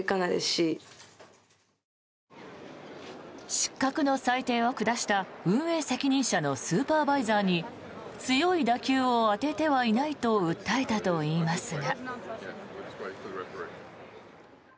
失格の裁定を下した運営責任者のスーパーバイザーに強い打球を当ててはいないと訴えたといいますが。